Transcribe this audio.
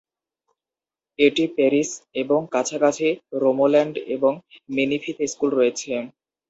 এটি পেরিস এবং কাছাকাছি রোমোল্যান্ড এবং মেনিফিতে স্কুল রয়েছে।